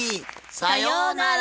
さようなら！